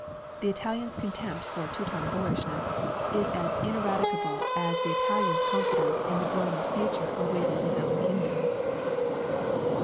The Italian's contempt for Teuton boorishness is as ineradicable as the Italian's confidence in the brilliant future awaiting his own kingdom.